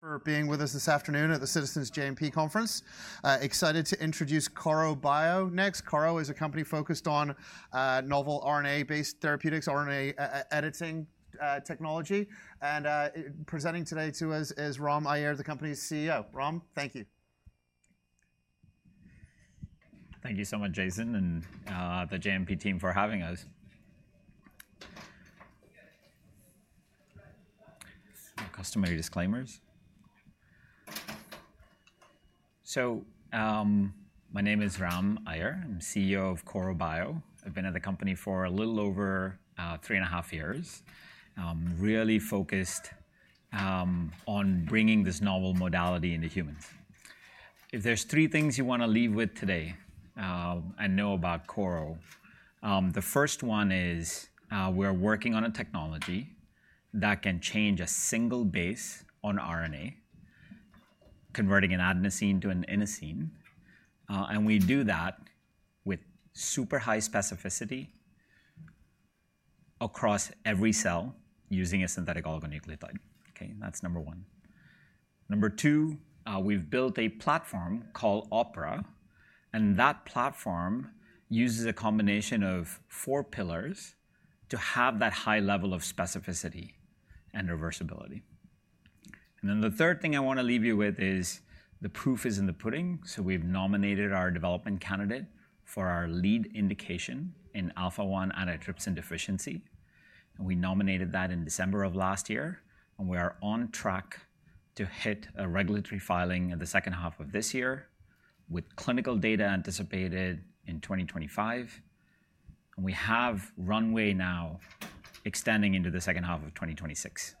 For being with us this afternoon at the Citizens JMP Conference. Excited to introduce Korro Bio next. Korro is a company focused on novel RNA-based therapeutics, RNA editing technology, and presenting today to us is Ram Aiyar, the company's CEO. Ram, thank you. Thank you so much, Jason, and the JMP team for having us. Some customary disclaimers. So my name is Ram Aiyar. I'm CEO of Korro Bio. I've been at the company for a little over 3.5 years, really focused on bringing this novel modality into humans. If there's three things you want to leave with today and know about Korro, the first one is we're working on a technology that can change a single base on RNA, converting an adenosine to an inosine. And we do that with super high specificity across every cell using a synthetic oligonucleotide. That's number one. Number two, we've built a platform called OPERA, and that platform uses a combination of four pillars to have that high level of specificity and reversibility. And then the third thing I want to leave you with is the proof is in the pudding. So we've nominated our development candidate for our lead indication in alpha-1 antitrypsin deficiency. And we nominated that in December of last year, and we are on track to hit a regulatory filing in the second half of this year with clinical data anticipated in 2025. And we have runway now extending into the second half of 2026.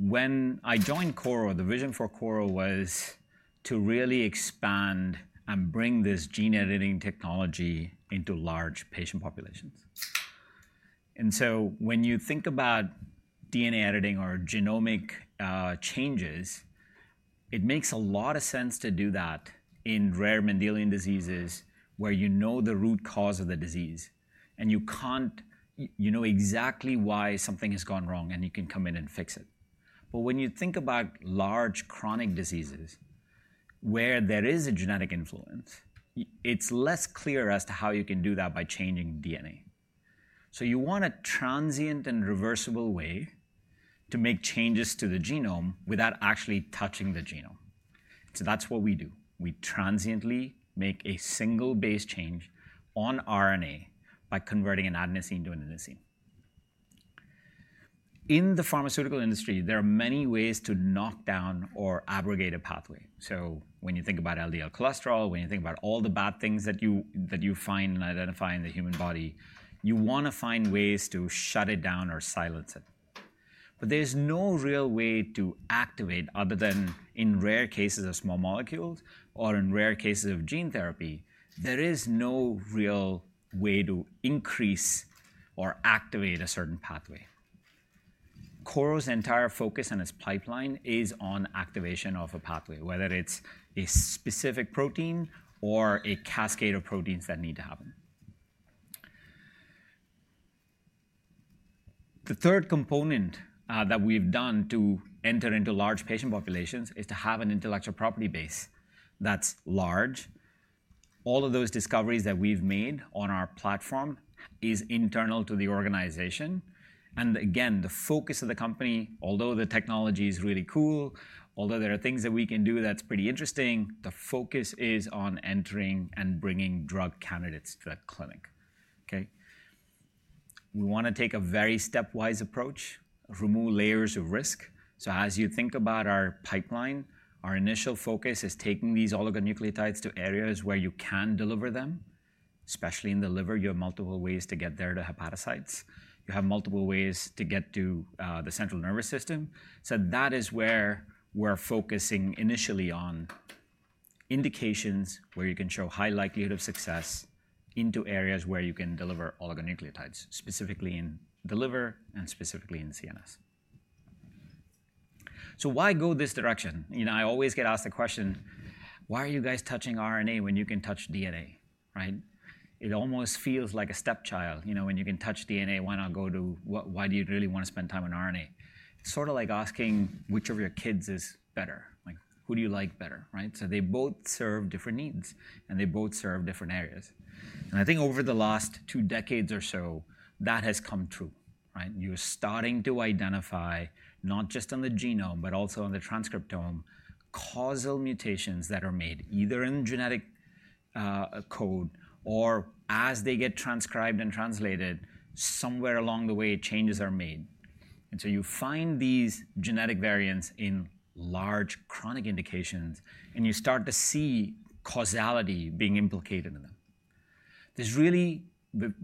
When I joined Korro, the vision for Korro was to really expand and bring this gene editing technology into large patient populations. And so when you think about DNA editing or genomic changes, it makes a lot of sense to do that in rare Mendelian diseases where you know the root cause of the disease and you know exactly why something has gone wrong, and you can come in and fix it. But when you think about large chronic diseases where there is a genetic influence, it's less clear as to how you can do that by changing DNA. So you want a transient and reversible way to make changes to the genome without actually touching the genome. So that's what we do. We transiently make a single base change on RNA by converting an adenosine to an inosine. In the pharmaceutical industry, there are many ways to knock down or abrogate a pathway. So when you think about LDL cholesterol, when you think about all the bad things that you find and identify in the human body, you want to find ways to shut it down or silence it. But there's no real way to activate other than in rare cases of small molecules or in rare cases of gene therapy. There is no real way to increase or activate a certain pathway. Korro's entire focus and its pipeline is on activation of a pathway, whether it's a specific protein or a cascade of proteins that need to happen. The third component that we've done to enter into large patient populations is to have an intellectual property base that's large. All of those discoveries that we've made on our platform are internal to the organization. Again, the focus of the company, although the technology is really cool, although there are things that we can do that's pretty interesting, the focus is on entering and bringing drug candidates to the clinic. We want to take a very stepwise approach, remove layers of risk. So as you think about our pipeline, our initial focus is taking these oligonucleotides to areas where you can deliver them, especially in the liver. You have multiple ways to get there to hepatocytes. You have multiple ways to get to the central nervous system. So that is where we're focusing initially on indications where you can show high likelihood of success into areas where you can deliver oligonucleotides, specifically in the liver and specifically in CNS. So why go this direction? I always get asked the question, why are you guys touching RNA when you can touch DNA? It almost feels like a stepchild. When you can touch DNA, why not go to why do you really want to spend time on RNA? It's sort of like asking which of your kids is better. Who do you like better? So they both serve different needs, and they both serve different areas. I think over the last two decades or so, that has come true. You're starting to identify not just on the genome, but also on the transcriptome, causal mutations that are made either in genetic code or as they get transcribed and translated, somewhere along the way, changes are made. And so you find these genetic variants in large chronic indications, and you start to see causality being implicated in them.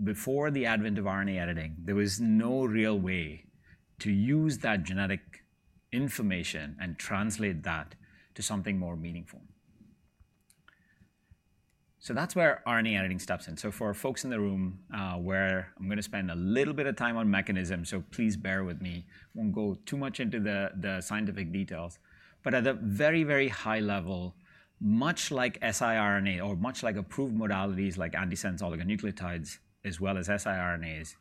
Before the advent of RNA editing, there was no real way to use that genetic information and translate that to something more meaningful. So that's where RNA editing steps in. So for folks in the room where I'm going to spend a little bit of time on mechanisms, so please bear with me. We won't go too much into the scientific details. But at a very, very high level, much like siRNA or much like approved modalities like antisense oligonucleotides as well as siRNAs,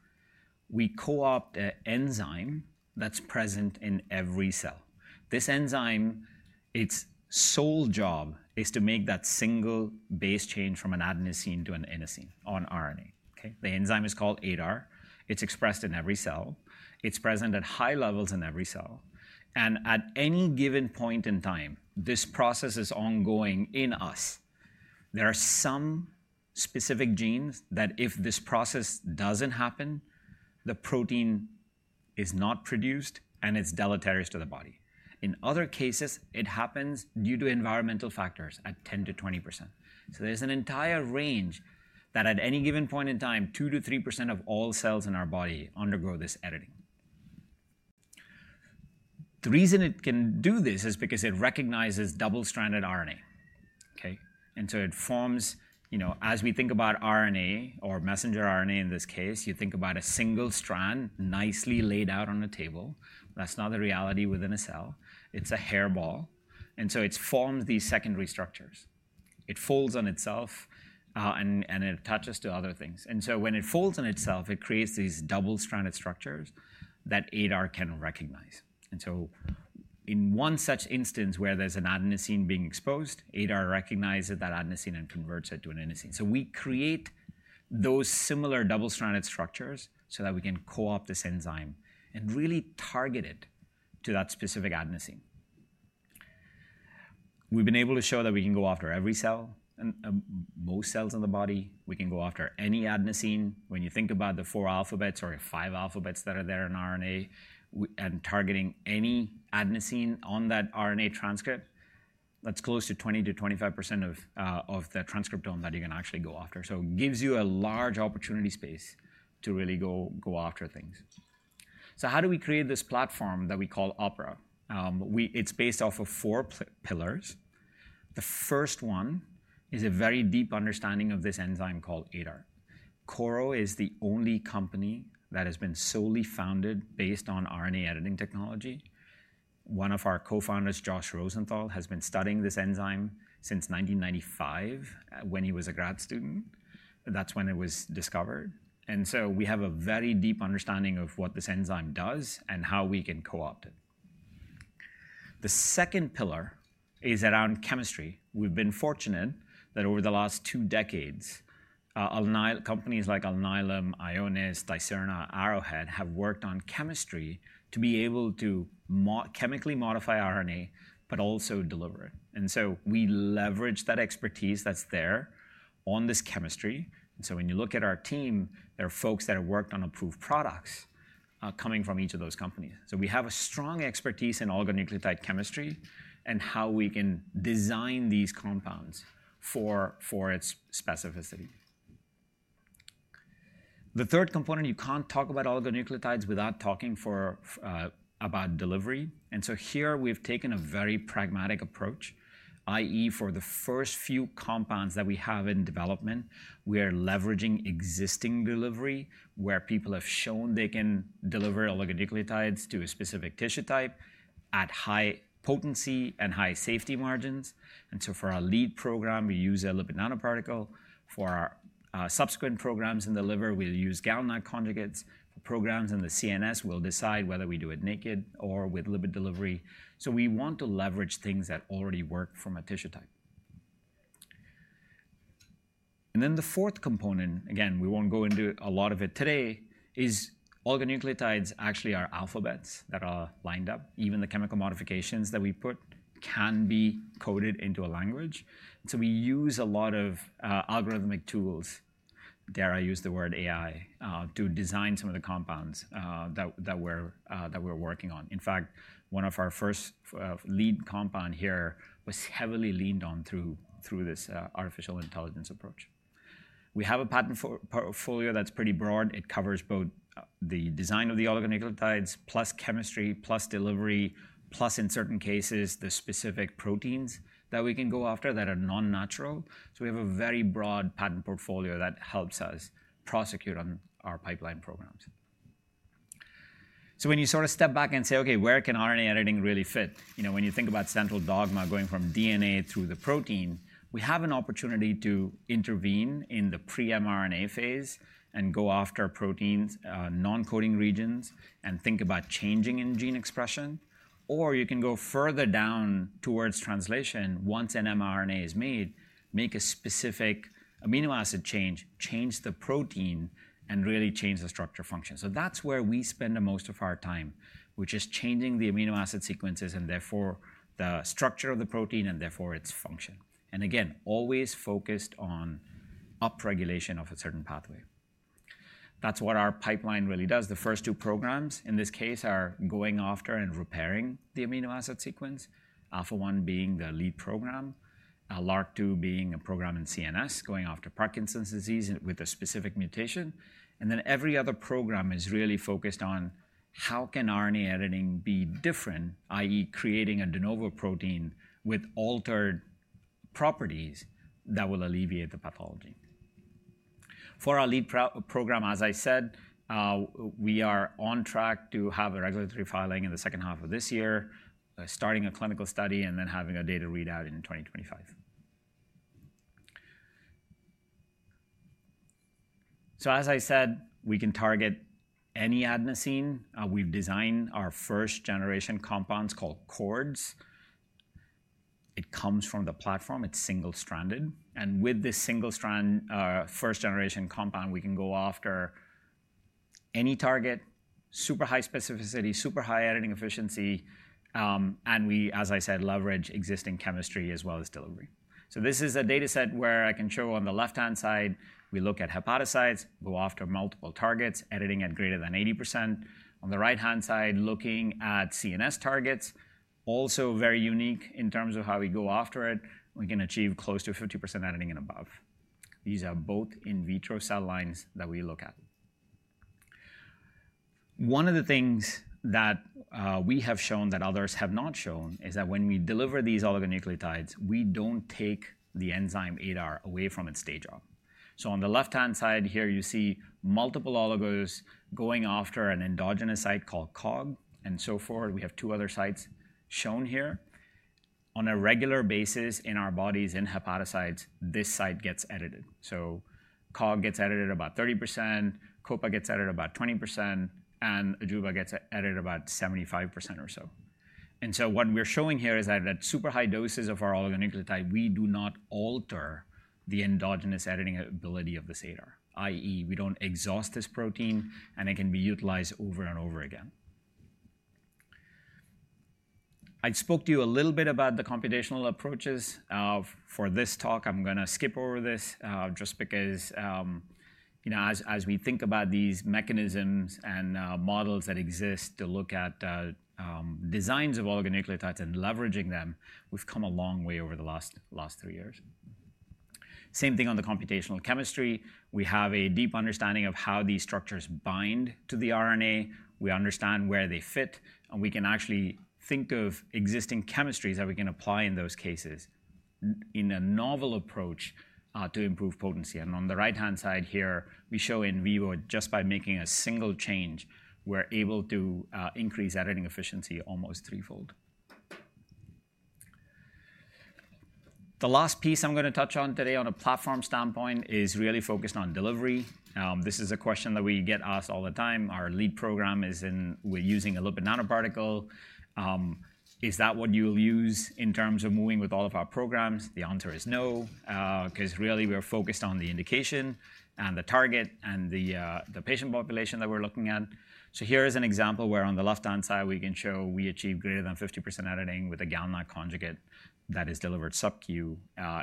we co-opt an enzyme that's present in every cell. This enzyme, its sole job is to make that single base change from an adenosine to an inosine on RNA. The enzyme is called ADAR. It's expressed in every cell. It's present at high levels in every cell. And at any given point in time, this process is ongoing in us. There are some specific genes that if this process doesn't happen, the protein is not produced, and it's deleterious to the body. In other cases, it happens due to environmental factors at 10%-20%. So there's an entire range that at any given point in time, 2%-3% of all cells in our body undergo this editing. The reason it can do this is because it recognizes double-stranded RNA. And so it forms as we think about RNA or messenger RNA in this case, you think about a single strand nicely laid out on a table. That's not the reality within a cell. It's a hairball. And so it forms these secondary structures. It folds on itself, and it attaches to other things. And so when it folds on itself, it creates these double-stranded structures that ADAR can recognize. And so in one such instance where there's an adenosine being exposed, ADAR recognizes that adenosine and converts it to an inosine. So we create those similar double-stranded structures so that we can co-opt this enzyme and really target it to that specific adenosine. We've been able to show that we can go after every cell and most cells in the body. We can go after any adenosine. When you think about the four alphabets or five alphabets that are there in RNA and targeting any adenosine on that RNA transcript, that's close to 20%-25% of the transcriptome that you're going to actually go after. So it gives you a large opportunity space to really go after things. So how do we create this platform that we call OPERA? It's based off of four pillars. The first one is a very deep understanding of this enzyme called ADAR. Korro is the only company that has been solely founded based on RNA editing technology. One of our co-founders, Josh Rosenthal, has been studying this enzyme since 1995 when he was a grad student. That's when it was discovered. And so we have a very deep understanding of what this enzyme does and how we can co-opt it. The second pillar is around chemistry. We've been fortunate that over the last two decades, companies like Alnylam, Ionis, Dicerna, Arrowhead have worked on chemistry to be able to chemically modify RNA but also deliver it. And so we leverage that expertise that's there on this chemistry. And so when you look at our team, there are folks that have worked on approved products coming from each of those companies. So we have a strong expertise in oligonucleotide chemistry and how we can design these compounds for its specificity. The third component, you can't talk about oligonucleotides without talking about delivery. And so here we've taken a very pragmatic approach, i.e., for the first few compounds that we have in development, we are leveraging existing delivery where people have shown they can deliver oligonucleotides to a specific tissue type at high potency and high safety margins. And so for our lead program, we use a lipid nanoparticle. For our subsequent programs in the liver, we'll use GalNAc conjugates. For programs in the CNS, we'll decide whether we do it naked or with lipid delivery. So we want to leverage things that already work from a tissue type. And then the fourth component, again, we won't go into a lot of it today, is oligonucleotides actually are alphabets that are lined up. Even the chemical modifications that we put can be coded into a language. So we use a lot of algorithmic tools there. I use the word AI to design some of the compounds that we're working on. In fact, one of our first lead compounds here was heavily leaned on through this artificial intelligence approach. We have a patent portfolio that's pretty broad. It covers both the design of the oligonucleotides plus chemistry plus delivery plus, in certain cases, the specific proteins that we can go after that are non-natural. So we have a very broad patent portfolio that helps us prosecute on our pipeline programs. So when you sort of step back and say, OK, where can RNA editing really fit? When you think about central dogma going from DNA through the protein, we have an opportunity to intervene in the pre-mRNA phase and go after proteins, non-coding regions, and think about changing in gene expression. Or you can go further down towards translation. Once an mRNA is made, make a specific amino acid change, change the protein, and really change the structure function. So that's where we spend most of our time, which is changing the amino acid sequences and therefore the structure of the protein and therefore its function. And again, always focused on upregulation of a certain pathway. That's what our pipeline really does. The first two programs in this case are going after and repairing the amino acid sequence, alpha-1 being the lead program, LRRK2 being a program in CNS going after Parkinson's disease with a specific mutation. And then every other program is really focused on how can RNA editing be different, i.e., creating a de novo protein with altered properties that will alleviate the pathology. For our lead program, as I said, we are on track to have a regulatory filing in the second half of this year, starting a clinical study, and then having a data readout in 2025. So as I said, we can target any adenosine. We've designed our first-generation compounds called CORDS. It comes from the platform. It's single-stranded. And with this single-strand first-generation compound, we can go after any target, super high specificity, super high editing efficiency. And we, as I said, leverage existing chemistry as well as delivery. So this is a data set where I can show on the left-hand side, we look at hepatocytes, go after multiple targets, editing at greater than 80%. On the right-hand side, looking at CNS targets, also very unique in terms of how we go after it, we can achieve close to 50% editing and above. These are both in vitro cell lines that we look at. One of the things that we have shown that others have not shown is that when we deliver these oligonucleotides, we don't take the enzyme ADAR away from its day job. So on the left-hand side here, you see multiple oligos going after an endogenous site called COG and so forth. We have two other sites shown here. On a regular basis in our bodies, in hepatocytes, this site gets edited. So COG gets edited about 30%, COPA gets edited about 20%, and Ajuba gets edited about 75% or so. And so what we're showing here is that at super high doses of our oligonucleotide, we do not alter the endogenous editing ability of this ADAR, i.e., we don't exhaust this protein, and it can be utilized over and over again. I spoke to you a little bit about the computational approaches. For this talk, I'm going to skip over this just because, you know, as we think about these mechanisms and models that exist to look at designs of oligonucleotides and leveraging them, we've come a long way over the last 3 years. Same thing on the computational chemistry. We have a deep understanding of how these structures bind to the RNA. We understand where they fit. We can actually think of existing chemistries that we can apply in those cases in a novel approach to improve potency. On the right-hand side here, we show in vivo, just by making a single change, we're able to increase editing efficiency almost threefold. The last piece I'm going to touch on today on a platform standpoint is really focused on delivery. This is a question that we get asked all the time. Our lead program is in we're using a lipid nanoparticle. Is that what you'll use in terms of moving with all of our programs? The answer is no because really we're focused on the indication and the target and the patient population that we're looking at. So here is an example where on the left-hand side, we can show we achieve greater than 50% editing with a GalNAc conjugate that is delivered sub-Q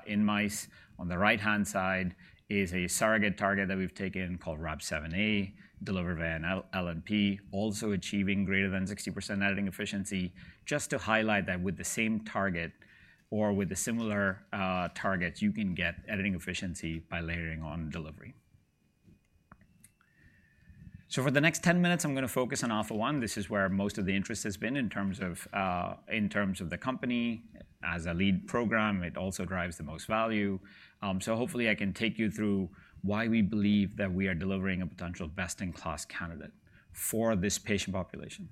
in mice. On the right-hand side is a surrogate target that we've taken called RAB7A, delivered via an LNP, also achieving greater than 60% editing efficiency, just to highlight that with the same target or with the similar targets, you can get editing efficiency by layering on delivery. So for the next 10 minutes, I'm going to focus on alpha-1. This is where most of the interest has been in terms of the company. As a lead program, it also drives the most value. So hopefully, I can take you through why we believe that we are delivering a potential best-in-class candidate for this patient population.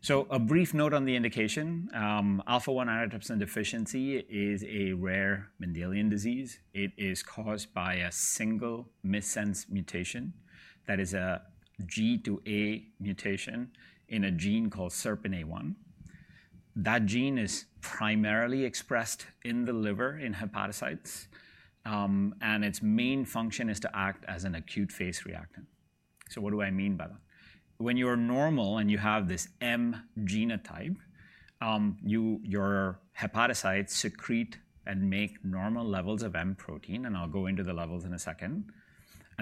So a brief note on the indication. Alpha-1 antitrypsin deficiency is a rare Mendelian disease. It is caused by a single missense mutation that is a G to A mutation in a gene called SERPINA1. That gene is primarily expressed in the liver in hepatocytes. Its main function is to act as an acute phase reactant. So what do I mean by that? When you are normal and you have this M genotype, your hepatocytes secrete and make normal levels of M protein. I'll go into the levels in a second.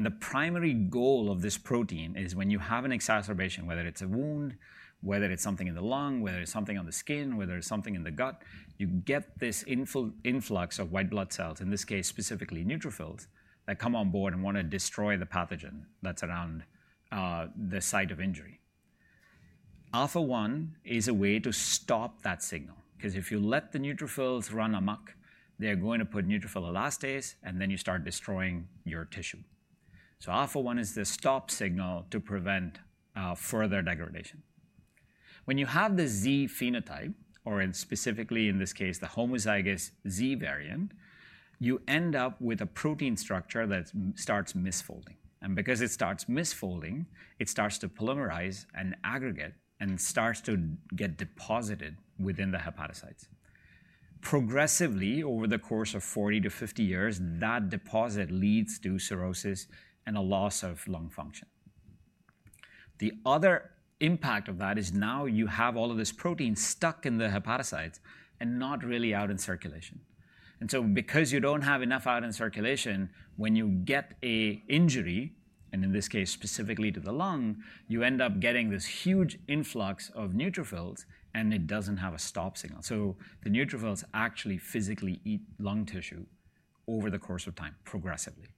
The primary goal of this protein is when you have an exacerbation, whether it's a wound, whether it's something in the lung, whether it's something on the skin, whether it's something in the gut, you get this influx of white blood cells, in this case specifically neutrophils, that come on board and want to destroy the pathogen that's around the site of injury. Alpha-1 is a way to stop that signal because if you let the neutrophils run amok, they're going to put neutrophil elastase, and then you start destroying your tissue. So alpha-1 is the stop signal to prevent further degradation. When you have the Z phenotype, or specifically in this case, the homozygous Z variant, you end up with a protein structure that starts misfolding. And because it starts misfolding, it starts to polymerize and aggregate and starts to get deposited within the hepatocytes. Progressively, over the course of 40-50 years, that deposit leads to cirrhosis and a loss of lung function. The other impact of that is now you have all of this protein stuck in the hepatocytes and not really out in circulation. And so because you don't have enough out in circulation, when you get an injury, and in this case specifically to the lung, you end up getting this huge influx of neutrophils, and it doesn't have a stop signal. So the neutrophils actually physically eat lung tissue over the course of time progressively.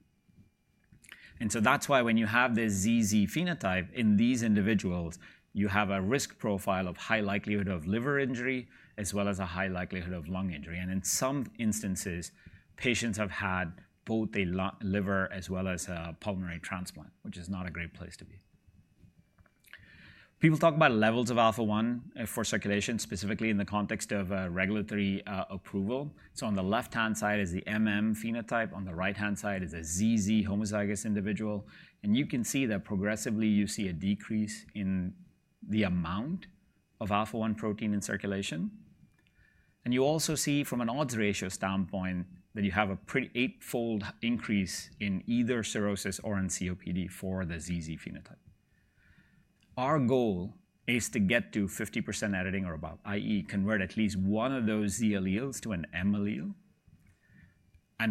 And so that's why when you have this ZZ phenotype in these individuals, you have a risk profile of high likelihood of liver injury as well as a high likelihood of lung injury. And in some instances, patients have had both a liver as well as a pulmonary transplant, which is not a great place to be. People talk about levels of alpha-1 for circulation, specifically in the context of regulatory approval. So on the left-hand side is the phenotype. On the right-hand side is a ZZ homozygous individual. You can see that progressively, you see a decrease in the amount of alpha-1 protein in circulation. You also see from an odds ratio standpoint that you have a pretty eightfold increase in either cirrhosis or in COPD for the ZZ phenotype. Our goal is to get to 50% editing or above, i.e., convert at least one of those Z alleles to an M allele.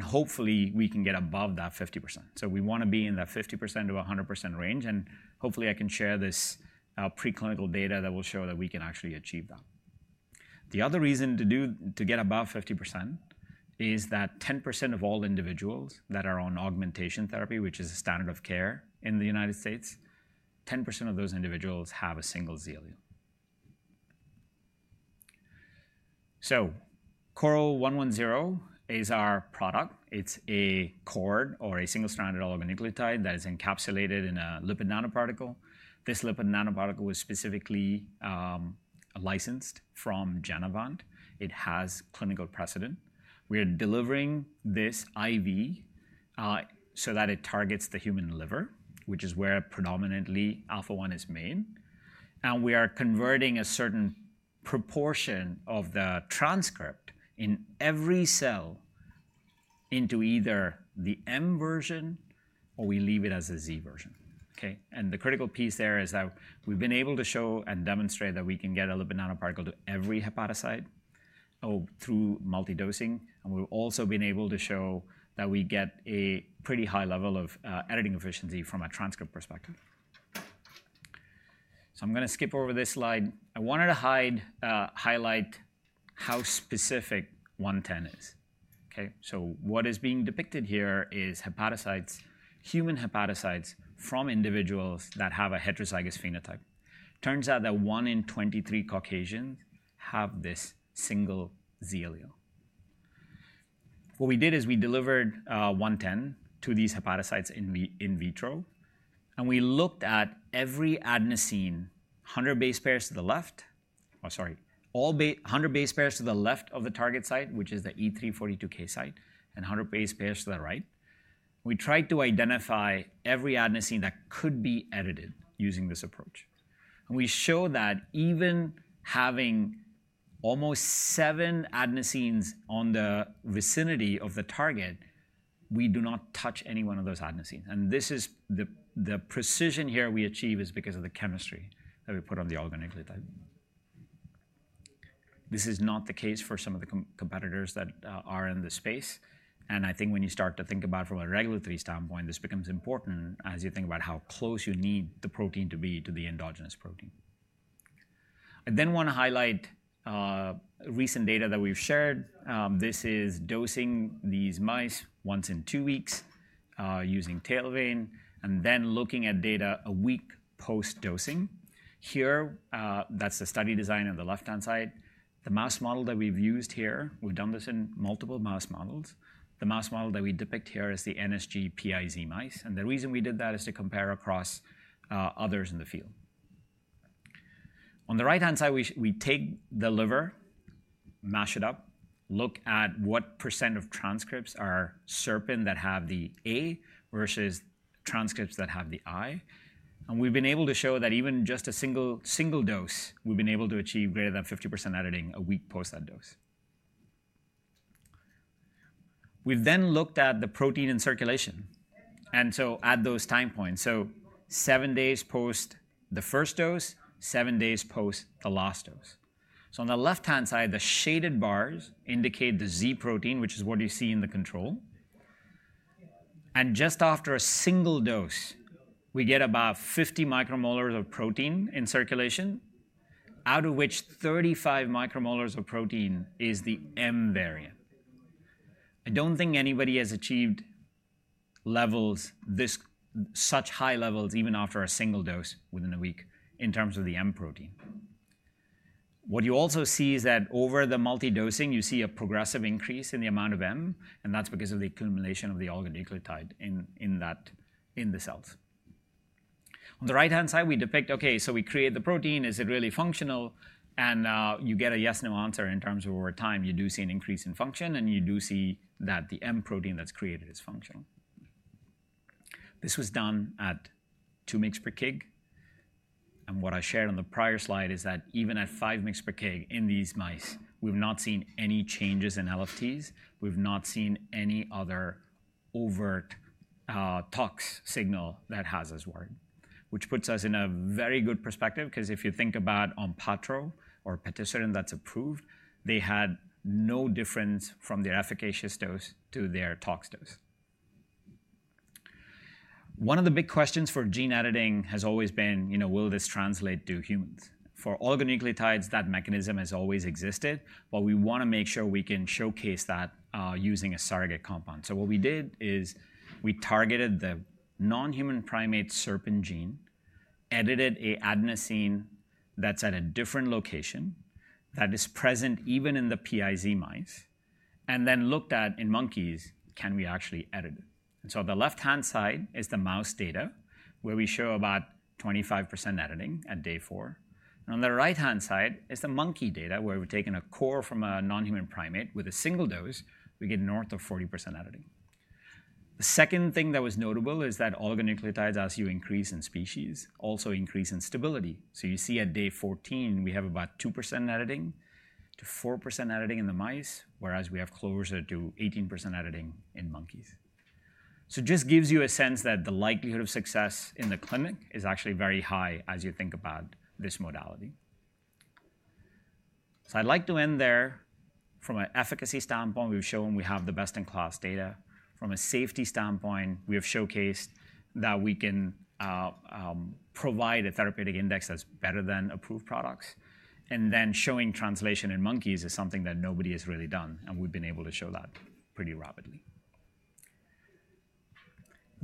Hopefully, we can get above that 50%. We want to be in that 50%-100% range. Hopefully, I can share this preclinical data that will show that we can actually achieve that. The other reason to get above 50% is that 10% of all individuals that are on augmentation therapy, which is a standard of care in the United States, 10% of those individuals have a single Z allele. So KRRO-110 is our product. It's a CORDS or a single-stranded oligonucleotide that is encapsulated in a lipid nanoparticle. This lipid nanoparticle was specifically licensed from Genevant. It has clinical precedent. We are delivering this IV so that it targets the human liver, which is where predominantly alpha-1 is made. We are converting a certain proportion of the transcript in every cell into either the M version or we leave it as a Z version. The critical piece there is that we've been able to show and demonstrate that we can get a lipid nanoparticle to every hepatocyte through multi-dosing. We've also been able to show that we get a pretty high level of editing efficiency from a transcript perspective. So I'm going to skip over this slide. I wanted to highlight how specific 110 is. What is being depicted here is human hepatocytes from individuals that have a heterozygous phenotype. Turns out that 1 in 23 Caucasians have this single Z allele. What we did is we delivered 110 to these hepatocytes in vitro. And we looked at every adenosine, 100 base pairs to the left or sorry, all 100 base pairs to the left of the target site, which is the E342K site, and 100 base pairs to the right. We tried to identify every adenosine that could be edited using this approach. And we show that even having almost 7 adenosines in the vicinity of the target, we do not touch any one of those adenosines. And this is the precision here we achieve is because of the chemistry that we put on the oligonucleotide. This is not the case for some of the competitors that are in this space. I think when you start to think about from a regulatory standpoint, this becomes important as you think about how close you need the protein to be to the endogenous protein. I then want to highlight recent data that we've shared. This is dosing these mice once every two weeks using tail vein and then looking at data a week post-dosing. Here, that's the study design on the left-hand side. The mouse model that we've used here we've done this in multiple mouse models. The mouse model that we depict here is the NSG-PiZ mice. The reason we did that is to compare across others in the field. On the right-hand side, we take the liver, mash it up, look at what % of transcripts are SERPINA1 that have the A versus transcripts that have the I. We've been able to show that even just a single dose, we've been able to achieve greater than 50% editing a week post that dose. We've then looked at the protein in circulation and so at those time points, so 7 days post the first dose, 7 days post the last dose. So on the left-hand side, the shaded bars indicate the Z protein, which is what you see in the control. Just after a single dose, we get about 50 micromolar of protein in circulation, out of which 35 micromolar of protein is the M variant. I don't think anybody has achieved such high levels even after a single dose within a week in terms of the M protein. What you also see is that over the multi-dosing, you see a progressive increase in the amount of M. That's because of the accumulation of the oligonucleotide in the cells. On the right-hand side, we depict, OK, so we create the protein. Is it really functional? And you get a yes/no answer in terms of over time. You do see an increase in function. And you do see that the M protein that's created is functional. This was done at 2 mg/kg. And what I shared on the prior slide is that even at 5 mg/kg in these mice, we've not seen any changes in LFTs. We've not seen any other overt tox signal that's adverse, which puts us in a very good perspective because if you think about Onpattro or patisiran that's approved, they had no difference from their efficacious dose to their tox dose. One of the big questions for gene editing has always been, will this translate to humans? For oligonucleotides, that mechanism has always existed. But we want to make sure we can showcase that using a surrogate compound. So what we did is we targeted the non-human primate SERPINA1 gene, edited an adenosine that's at a different location that is present even in the PiZ mice, and then looked at, in monkeys, can we actually edit it? And so the left-hand side is the mouse data where we show about 25% editing at day 4. And on the right-hand side is the monkey data where we've taken a core from a non-human primate with a single dose. We get north of 40% editing. The second thing that was notable is that oligonucleotides, ASOs, as you increase in species, also increase in stability. So you see at day 14, we have about 2%-4% editing in the mice, whereas we have closer to 18% editing in monkeys. It just gives you a sense that the likelihood of success in the clinic is actually very high as you think about this modality. I'd like to end there. From an efficacy standpoint, we've shown we have the best-in-class data. From a safety standpoint, we have showcased that we can provide a therapeutic index that's better than approved products. And then showing translation in monkeys is something that nobody has really done. And we've been able to show that pretty rapidly.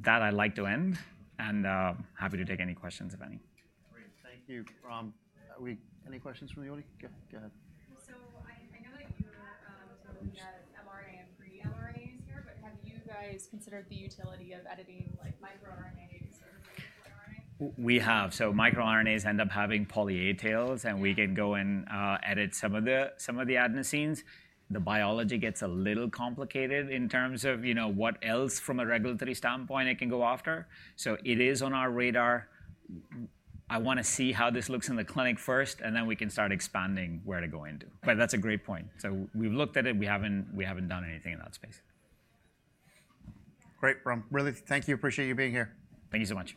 With that, I'd like to end. And happy to take any questions, if any. Great. Thank you. Any questions from the audience? Go ahead. I know that you told me that mRNA and pre-mRNAs here. But have you guys considered the utility of editing microRNAs or the regulatory RNA? We have. So microRNAs end up having poly-A tails. And we can go and edit some of the adenosines. The biology gets a little complicated in terms of what else from a regulatory standpoint it can go after. So it is on our radar. I want to see how this looks in the clinic first. And then we can start expanding where to go into. But that's a great point. So we've looked at it. We haven't done anything in that space. Great, Ram. Really, thank you. Appreciate you being here. Thank you so much.